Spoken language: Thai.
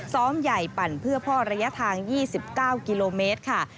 ซ้อมใหญ่ปั่นเพื่อพ่อระยะทาง๒๙กิโลเมตรค่ะ